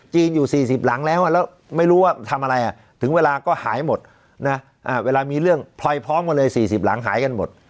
อยู่๔๐หลังแล้วแล้วไม่รู้ว่าทำอะไรถึงเวลาก็หายหมดนะเวลามีเรื่องพลอยพร้อมกันเลย๔๐หลังหายกันหมด